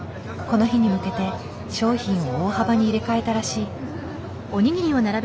この日に向けて商品を大幅に入れ替えたらしい。